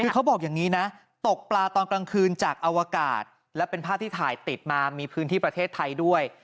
คือเขาบอกอย่างนี้นะตกปลาตอนกลางคืนจากอวกาศและเป็นภาพที่ถ่ายติดมามีพื้นที่ประเทศไทยด้วย